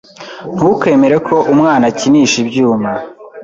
Ntukemere ko umwana akinisha ibyuma.